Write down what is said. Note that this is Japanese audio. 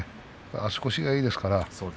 足腰がいいですからね。